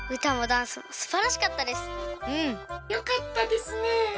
よかったですね。